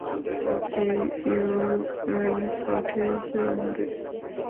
যি ইউয়েন পাঠিয়েছে আমাদেরকে!